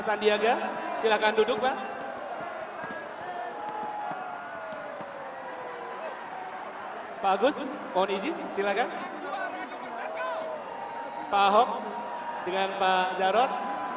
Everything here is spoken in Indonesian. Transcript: yudiaga silakan duduk pak bagus ponisi silakan pahok dengan pak jaron